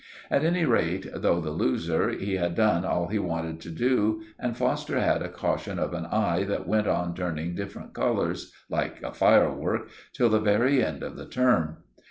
At any rate, though the loser, he had done all he wanted to do, and Foster had a caution of an eye that went on turning different colours, like a firework, till the very end of the term.